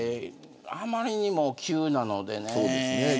あまりにも急なのでね。